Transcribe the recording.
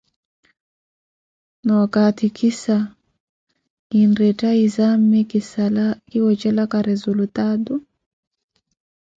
Noocatikhisa kiretta izame kisala kiwecela resultaatu.